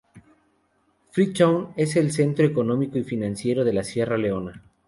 Freetown es el centro económico y financiero de Sierra Leona.